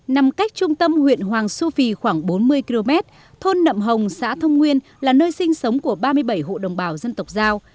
nằm cách trung tâm huyện hoàng su phi khoảng bốn mươi km thôn nậm hồng xã thông nguyên là nơi sinh sống của ba mươi bảy hộ đồng bào dân tộc giao